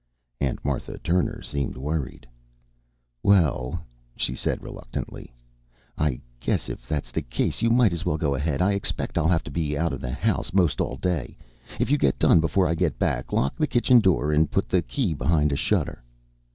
Aunt Martha Turner seemed worried. "Well," she said reluctantly, "I guess if that's the case you might as well go ahead. I expect I'll have to be out of the house 'most all day. If you get done before I get back, lock the kitchen door and put the key behind a shutter."